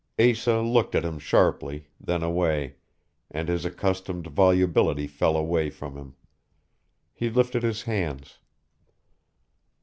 Asa looked at him sharply, then away; and his accustomed volubility fell away from him. He lifted his hands.